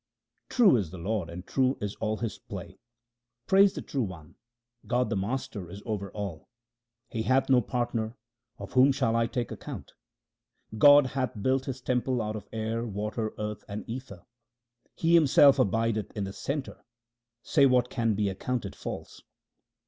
True is the Lord, and true is all His play. Praise the True One ; God the Master is over all. He hath no partner ; of whom shall I take account ? God hath built His temple out of air, water, earth, and ether. He Himself abideth in the centre ; say what can be accounted false